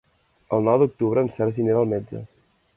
El nou d'octubre en Sergi anirà al metge.